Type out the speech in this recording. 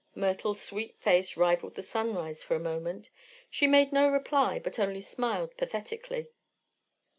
Myrtle's sweet face rivaled the sunrise for a moment. She made no reply but only smiled pathetically.